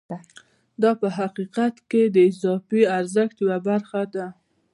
دا په حقیقت کې د اضافي ارزښت یوه برخه ده